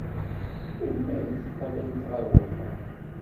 Melmi ay d-teqqlemt ɣer wexxam?